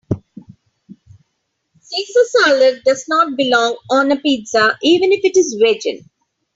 Caesar salad does not belong on a pizza even if it is vegan.